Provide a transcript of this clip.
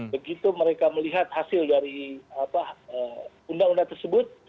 begitu mereka melihat hasil dari undang undang tersebut